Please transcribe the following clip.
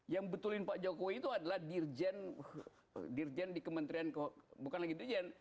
yang betulin pak jokowi itu adalah dirjen di kementerian bukan lagi dirjen